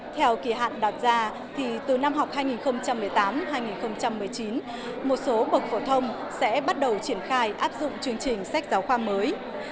theo kỳ hạn đạt ra thì từ năm học hai nghìn một mươi tám hai nghìn một mươi chín một số bậc phổ thông sẽ bắt đầu triển khai áp dụng chương trình sách giáo khoa mới